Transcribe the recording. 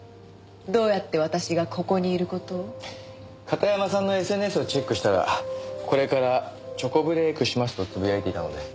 片山さんのＳＮＳをチェックしたら「これからチョコブレークします」と呟いていたので。